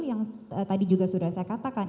yang tadi juga sudah saya katakan